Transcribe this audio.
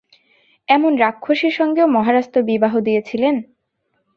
এমন রাক্ষসীর সঙ্গেও মহারাজ তোর বিবাহ দিয়াছিলেন।